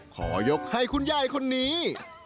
ขอยกให้คุณยายคนนี้